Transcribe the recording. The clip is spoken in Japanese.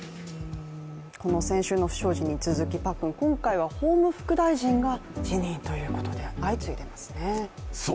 この先週の不祥事に続き今回は法務副大臣が辞任ということで相次いでいますね。